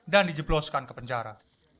dan dijebloskan ke penjara